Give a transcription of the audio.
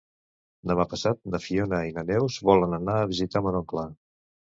Demà passat na Fiona i na Neus volen anar a visitar mon oncle.